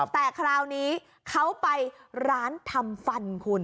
แต่คราวนี้เขาไปร้านทำฟันคุณ